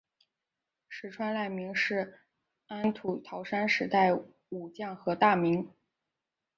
石川赖明是安土桃山时代武将和大名。